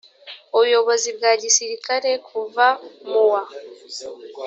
ubuyobozi bwa gisirikare kuva mu wa